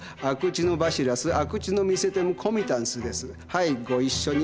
はいご一緒に。